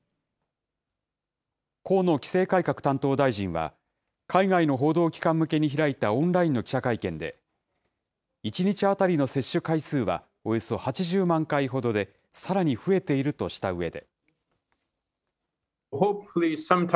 河野規制改革担当大臣は、海外の報道機関向けに開いたオンラインの記者会見で、１日当たりの接種回数はおよそ８０万回ほどで、さらに増えているとしたうえで。